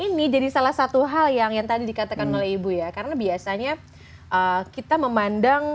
ini jadi salah satu hal yang tadi dikatakan oleh ibu ya karena biasanya kita memandang anak anak dengan down syndrome